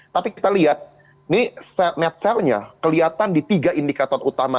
tapi kita lihat ini net sale nya kelihatan di tiga indikator utama